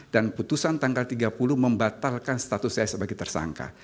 dan putusan tanggal tiga puluh membatalkan status saya sebagai tersangka